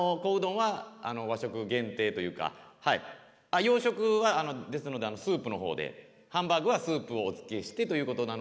洋食はですのでスープの方でハンバーグはスープをおつけしてということなの。